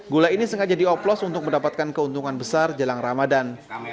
gula ini sengaja dioplos untuk mendapatkan keuntungan besar jelang ramadan